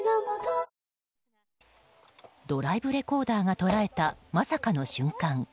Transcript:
ドライブレコーダーが捉えたまさかの瞬間。